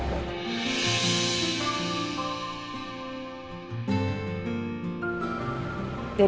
ibu rosa ini mau amur tuaku